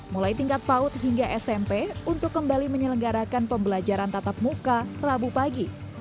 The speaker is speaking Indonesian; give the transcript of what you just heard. mulai tingkat paut hingga smp untuk kembali menyelenggarakan pembelajaran tatap muka rabu pagi